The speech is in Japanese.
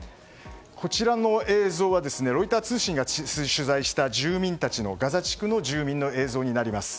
こちらの映像はロイター通信が取材したガザ地区の住民の映像になります。